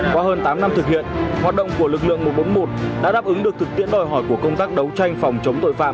qua hơn tám năm thực hiện hoạt động của lực lượng một trăm bốn mươi một đã đáp ứng được thực tiễn đòi hỏi của công tác đấu tranh phòng chống tội phạm